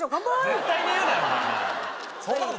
絶対に言うなよ